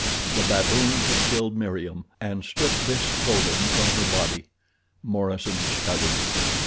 The baboons had killed Meriem and stripped this clothing from her body. Morison shuddered.